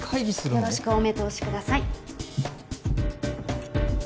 よろしくお目通しください